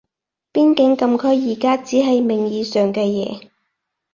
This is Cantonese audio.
邊境禁區而家只係名義上嘅嘢